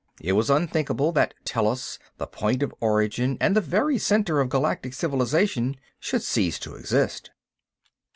It was unthinkable that Tellus, the point of origin and the very center of Galactic Civilization, should cease to exist.